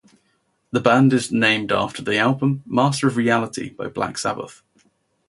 The band is named after the album "Master of Reality" by Black Sabbath.